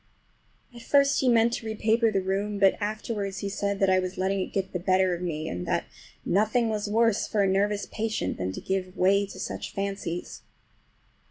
At first he meant to repaper the room, but afterwards he said that I was letting it get the better of me, and that nothing was worse for a nervous patient than to give way to such fancies.